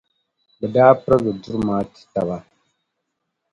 Bɛ ba daa pirigi duri maa ti ba.